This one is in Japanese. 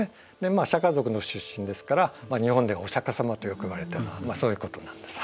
まあシャカ族の出身ですから日本でお釈迦様とよくいわれてるのはそういうことなんです。